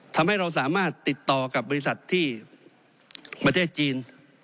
ทำให้เราสามารถติดต่อกับบริษัทที่ประเทศจีน